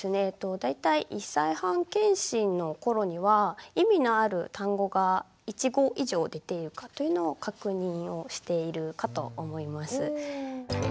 大体１歳半健診の頃には意味のある単語が１語以上出ているかというのを確認をしているかと思います。